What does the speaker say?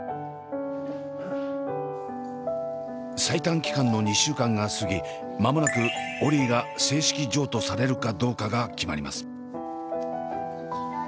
最短期間の２週間が過ぎ間もなくオリィが正式譲渡されるかどうかが決まります。